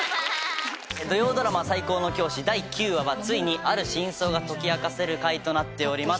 土曜ドラマ『最高の教師』第９話はついにある真相が解き明かされる回となっております。